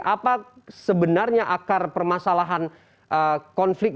apa sebenarnya akar permasalahan konflik